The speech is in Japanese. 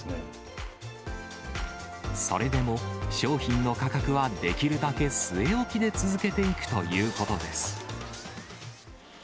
それでも、商品の価格はできるだけ据え置きで続けていくということです。